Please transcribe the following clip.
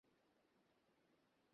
আরে হাতজোর কর, ওর পায়ে পড়।